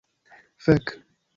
Fek.